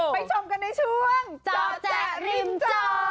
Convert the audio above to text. ไปชมกันในช่วงจแจ๊กริมจ